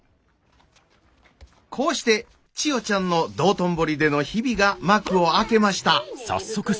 こうして千代ちゃんの道頓堀での日々が幕を開けました。